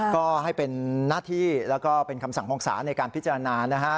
ก็ให้เป็นหน้าที่แล้วก็เป็นคำสั่งของศาลในการพิจารณานะฮะ